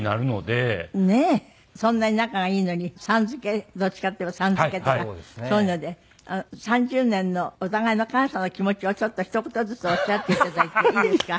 そんなに仲がいいのにさん付けでどっちかっていえばさん付けとかそういうので３０年のお互いの感謝の気持ちをちょっとひと言ずつおっしゃっていただいていいですか？